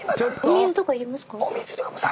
お水とかいりますか？